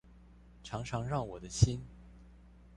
常常讓我的心